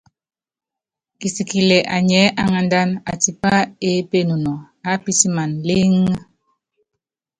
Kisikili anyiɛ́ aŋándána, atipá eépe nunɔ, aápítimana lééŋé.